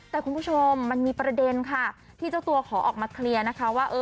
แต่คุณผู้ชมมันมีประเด็นค่ะที่เจ้าตัวขอออกมาเคลียร์นะคะว่า